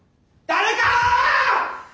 誰か！